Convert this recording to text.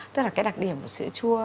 tức là cái đặc điểm của sữa chua